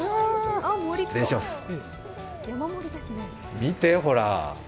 見て、ほら。